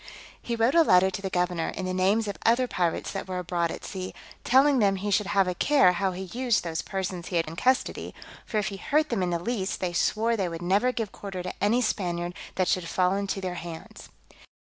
He wrote a letter to the governor, in the names of other pirates that were abroad at sea, telling them he should have a care how he used those persons he had in custody; for if he hurt them in the least, they swore they would never give quarter to any Spaniard that should fall into their hands.